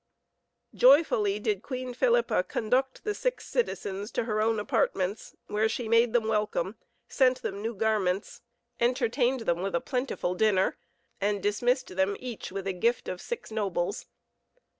Joyfully did Queen Philippa conduct the six citizens to her own apartments, where she made them welcome, sent them new garments, entertained them with a plentiful dinner, and dismissed them each with a gift of six nobles.